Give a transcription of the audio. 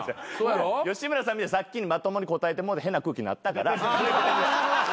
吉村さんみたいにさっきまともに答えてもうて変な空気になったから。